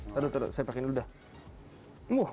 ntar dulu saya pakai ini dulu dah